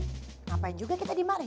ngapain juga kita dimari